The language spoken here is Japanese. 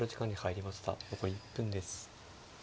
残り１分です。